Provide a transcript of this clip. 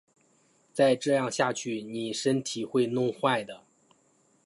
再这样下去妳身体会弄坏的